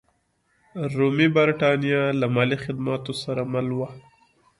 رومي برېټانیا له مالي خدماتو سره مل وه.